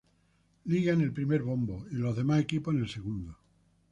Liga en el primer bombo y los demás equipos en el segundo.